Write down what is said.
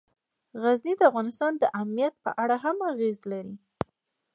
غزني د افغانستان د امنیت په اړه هم اغېز لري.